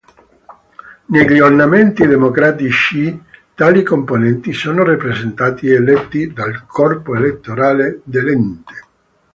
Negli ordinamenti democratici tali componenti sono rappresentanti eletti dal corpo elettorale dell'ente.